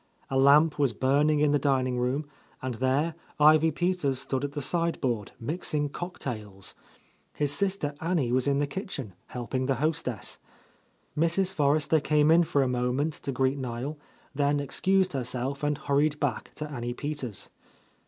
A lamp was burning in the dining room, and there Ivy Peters stood at the side board, mixing cocktails. His sister Annie was in the kitchen, helping the hostess. Mrs. Forrester came in for a moment to greet Niel, then ex cused herself and hurried back to Annie Peters.